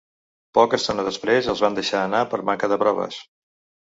Poca estona després, els van deixar anar per manca de proves.